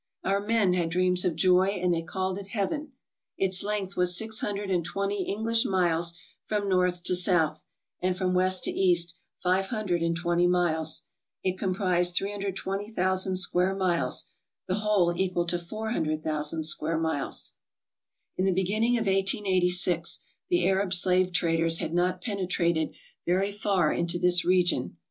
Our men had dreams of joy and they called it heaven. Its length was six hundred and twenty English miles from north to south and from west to east five hundred and twenty miles. It comprised 320,000 square miles, the whole equal to 400,000 square miles. In the beginning of 1886 the Arab slave traders had not penetrated very far into this region.